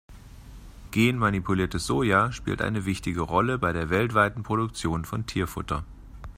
Genmanipuliertes Soja spielt eine wichtige Rolle bei der weltweiten Produktion von Tierfutter.